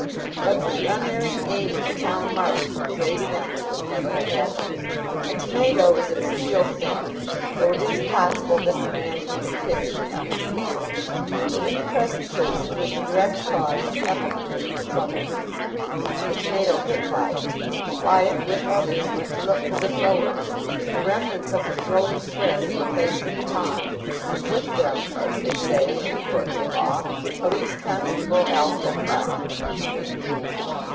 But for the unerring aim of the town marksman great events would never have happened. A tomato is a trivial thing (though it is possible that the man whom it hits may not think so), but in the present case, it was the direct cause of epoch making trouble. The tomato hit Wyatt. Wyatt, with others, went to look for the thrower. The remnants of the thrower's friends were placed in the pond, and "with them," as they say in the courts of law, Police Constable Alfred Butt.